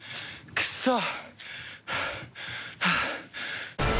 くそ。えっ！？